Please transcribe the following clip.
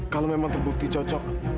kalau memang terbukti cocok